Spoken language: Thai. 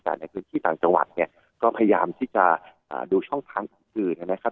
แต่ในพื้นที่ต่างจังหวัดเนี่ยก็พยายามที่จะดูช่องทางอื่นนะครับ